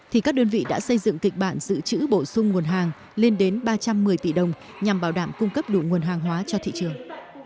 thịt lợn được giữ chữ bổ sung nguồn hàng lên đến ba trăm một mươi tỷ đồng nhằm bảo đảm cung cấp đủ nguồn hàng hóa cho thị trường